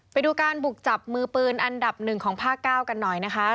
ไปดูการบุกจับมือปืนอันดับ๑ของภาค๙กันหน่อยนะคะ